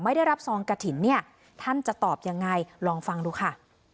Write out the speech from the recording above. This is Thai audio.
ไม่ได้รับซองกระถิ่นเนี่ยท่านจะตอบยังไงลองฟังดูค่ะ